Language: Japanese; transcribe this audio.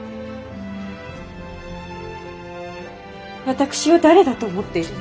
私を誰だと思っているの？